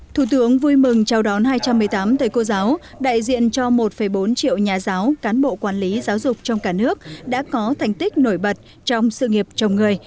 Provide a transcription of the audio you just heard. thủ tướng vui mừng chào đón hai trăm một mươi tám thầy cô giáo đại diện cho một bốn triệu nhà giáo cán bộ quản lý giáo dục trong cả nước đã có thành tích nổi bật trong sự nghiệp chồng người